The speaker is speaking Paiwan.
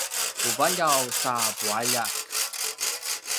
puvaljaw sa pualjak